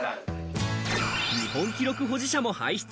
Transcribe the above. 日本記録保持者も輩出。